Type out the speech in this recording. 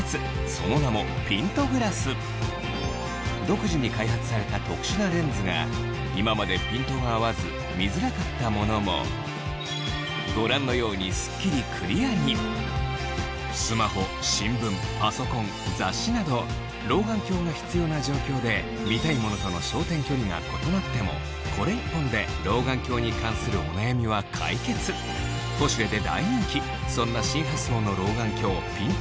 その名も独自に開発された特殊なレンズが今までピントが合わず見づらかったものもご覧のようにすっきりクリアに雑誌など老眼鏡が必要な状況で見たいものとの焦点距離が異なってもこれ１本で老眼鏡に関するお悩みは解決『ポシュレ』で大人気そんな新発想の老眼鏡ピント